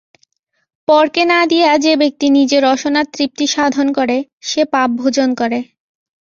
পরকে না দিয়া যে ব্যক্তি নিজ রসনার তৃপ্তিসাধন করে, সে পাপ ভোজন করে।